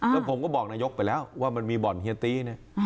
แล้วผมก็บอกนายกไปแล้วว่ามันมีบ่อนเฮียตี้เนี่ย